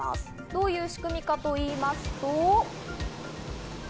どういう仕組みかと言いますと。